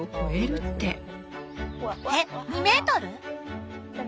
えっ２メートル？